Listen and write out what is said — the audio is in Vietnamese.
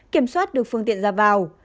kiểm soát được phương tiện ra vào